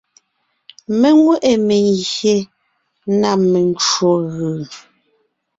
Mé nwé ʼe mengyè na mencwò gʉ.